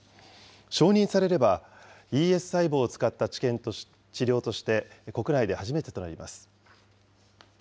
承認されれば、ＥＳ細胞を使った治療として国内で初めてとなります。